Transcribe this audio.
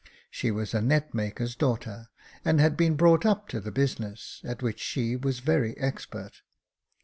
She was a net maker's daughter, and had been brought up to the business, at which she was very expert.